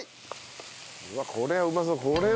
うわっこりゃうまそう。